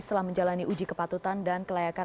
setelah menjalani uji kepatutan dan kelayakan